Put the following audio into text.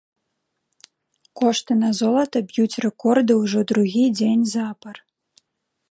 Кошты на золата б'юць рэкорды ўжо другі дзень запар.